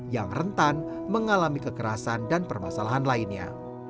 yang rentan mengalami kekerasan dan permasalahan lainnya